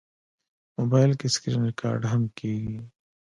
موبایل کې سکرینریکارډ هم کېږي.